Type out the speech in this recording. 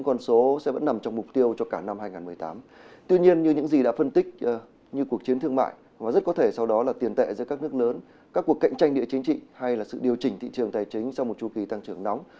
các cuộc cạnh tranh địa chính trị hay là sự điều chỉnh thị trường tài chính sau một chú kỳ tăng trưởng nóng